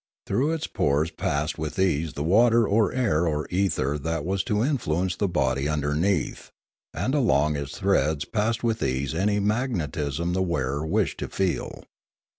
Through its pores passed with ease the water or air or ether that was to influence the body underneath ; and along its threads passed with ease any magnetism the wearer wished to feel.